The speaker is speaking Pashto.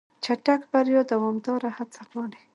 چټک بریا دوامداره هڅه غواړي.